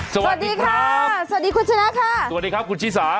สวัสดีค่ะสวัสดีคุณชนะค่ะสวัสดีครับคุณชิสา